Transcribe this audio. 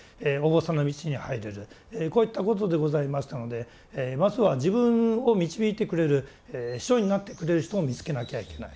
こういったことでございましたのでまずは自分を導いてくれる師匠になってくれる人を見つけなきゃいけない。